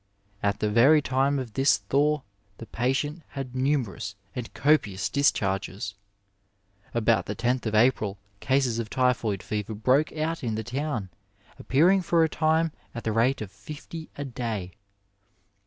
At the very time of this thaw the patient had numerous and copious discharges. About the 10th of April cases of typhoid fever broke out in the town, appearing for a time at the rate of fifty a day.